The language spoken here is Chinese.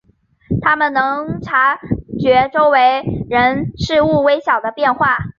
他们能察觉周围人事物微小的变化。